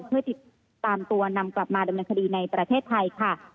เพื่อติดตามตัวนำกลับมาดำเนินคดีในประเทศไทยค่ะ